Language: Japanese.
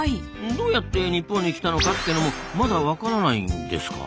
どうやって日本に来たのかってのもまだわからないんですか？